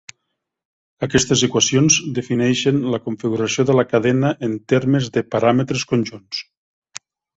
Aquestes equacions defineixen la configuració de la cadena en termes de paràmetres conjunts.